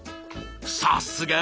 さすが！